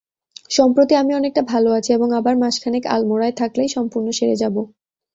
সম্প্রতি আমি অনেকটা ভাল আছি এবং আবার মাসখানেক আলমোড়ায় থাকলেই সম্পূর্ণ সেরে যাব।